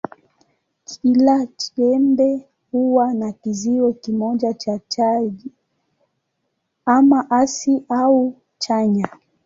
Kila chembe huwa na kizio kimoja cha chaji, ama hasi au chanya.